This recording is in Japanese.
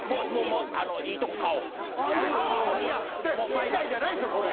賃貸じゃないでしょこれ。